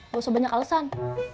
gak usah banyak alesan